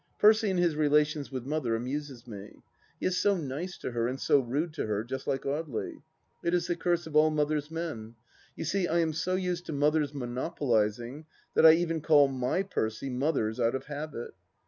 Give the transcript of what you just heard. ... Percy in his relations with Mother amuses me. He is so nice to her, and so rude to her — just like Audely. It is the curse of all Mother's men. You see I am so used to Mother's monopolizing that I even call my Percy Mother's out of habit.